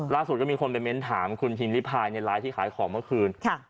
ล่าสุดก็มีคนไปเม้นถามคุณพิมริพายในไลน์ที่ขายของเมื่อคืน